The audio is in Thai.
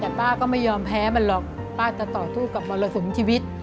แต่ป้าก็ไม่ยอมแพ้มันหรอกป้าจะต่อสู้กับมรสุมชีวิต